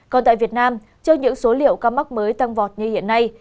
còn tại việt nam trước những số liệu ca mắc mới tăng vọt như hiện nay